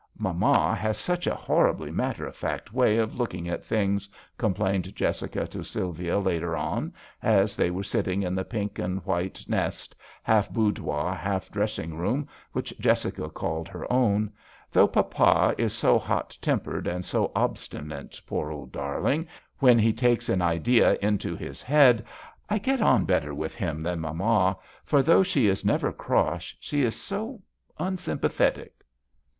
" Mamma has such a horribly matter of fact way of looking at things," complained Jessica to Sylvia later on, as they were sit ting in the pink and white nest half boudoir, half dressing room which Jessica called her own ; "though papa is so hot tem pered and so obstinate, poor old darling, when he takes an idea into his head, I get on better with him than mamma, for though she is never cross she is so un sympathetic."